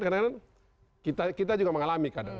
karena kita juga mengalami kadang